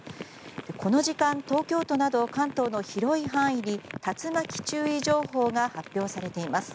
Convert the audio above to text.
この時間、東京都など関東の広い範囲に竜巻注意情報が発表されています。